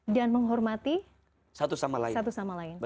menghormati satu sama lain